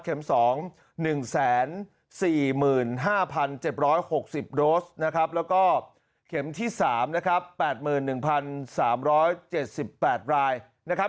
๒๑๔๕๗๖๐โดสนะครับแล้วก็เข็มที่๓นะครับ๘๑๓๗๘รายนะครับ